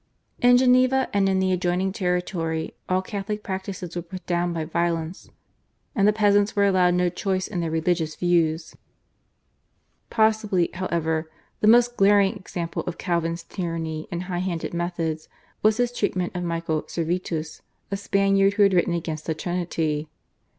In Geneva and in the adjoining territory all Catholic practices were put down by violence, and the peasants were allowed no choice in their religious views. Possibly, however, the most glaring example of Calvin's tyranny and high handed methods was his treatment of Michael Servetus, a Spaniard who had written against the Trinity.